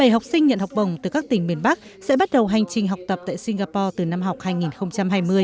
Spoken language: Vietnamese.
bảy học sinh nhận học bổng từ các tỉnh miền bắc sẽ bắt đầu hành trình học tập tại singapore từ năm học hai nghìn hai mươi